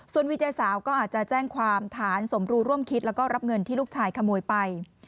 ส่วนวีเจสาวก็อาจจะแจ้งความฐานสมรู้ร่วมคิดแล้วก็รับเงินที่ลูกชายขโมยไป